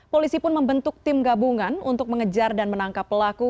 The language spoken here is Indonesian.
polisi pun membentuk tim gabungan untuk mengejar dan menangkap pelaku